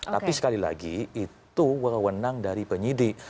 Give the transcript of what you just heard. tapi sekali lagi itu wewenang dari penyidik